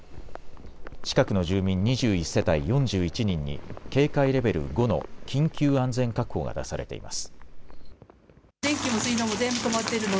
近くの住民２１世帯４１人に警戒レベル５の緊急安全確保が出されています。